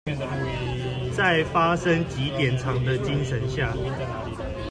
在「發生即典藏」的精神下